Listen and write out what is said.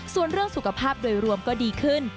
ส่วนเรื่องสุขภาพโดยรวมก็ดีขึ้น